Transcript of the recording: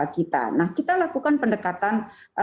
kita nah kita lakukan pendekatan